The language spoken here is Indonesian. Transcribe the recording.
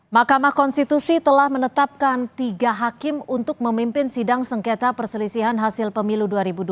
mahkamah konstitusi telah menetapkan tiga hakim untuk memimpin sidang sengketa perselisihan hasil pemilu dua ribu dua puluh